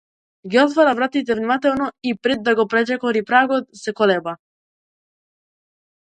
Ги отвора вратите внимателно и, пред да го пречекори прагот, се колеба.